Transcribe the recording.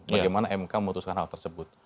bagaimana mk memutuskan hal tersebut